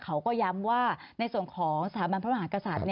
เขาก็ย้ำว่าในส่วนของสถาบันพระมหากษัตริย์